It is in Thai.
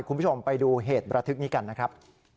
คุณผู้ชมไปดูเหตุระทึกนี้กันนะครับ